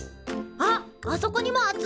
あっあそこにもあっぞ！